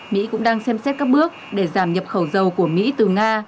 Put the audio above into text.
mỹ cũng đang xem xét các bước để giảm nhập khẩu dầu của mỹ từ nga